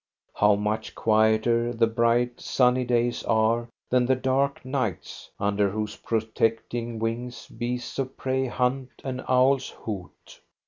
How much quieter the bright, sunny days are than the dark nights, under whose protecting wings beasts of prey hunt and owls hoot!